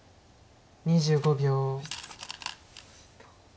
２５秒。